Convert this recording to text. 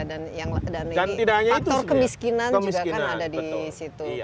dan faktor kemiskinan juga kan ada di situ